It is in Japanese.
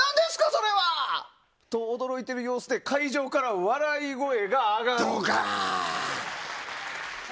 それは！と、驚いている様子で会場から笑い声が上がる。